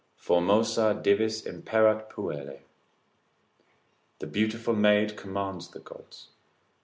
Formosa divis imperat puella. The beautiful maid commands the gods.